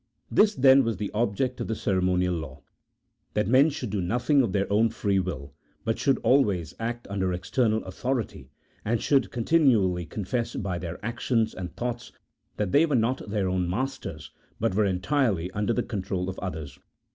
This, then, was the object of the ceremonial law, that men should do nothing of their own free will, but should always act under external authority, and should continually confess by their actions and thoughts that they were not their own masters, but were entirely under the control of others.